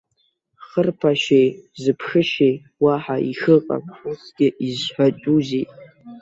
Хырԥашьеи зыԥшышьеи уаҳа ишыҟам усгьы изҳәатәузеи?